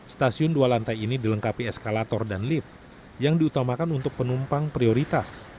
stasiun dua lantai ini dilengkapi eskalator dan lift yang diutamakan untuk penumpang prioritas